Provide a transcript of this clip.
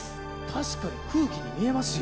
確かに空気に見えますよ。